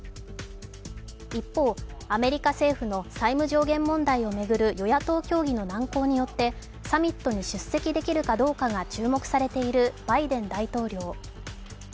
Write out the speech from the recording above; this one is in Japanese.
一方、アメリカ政府の債務上限問題を巡る与野党協議の難航によってサミットに出席できるかどうかが注目されているバイデン大統領。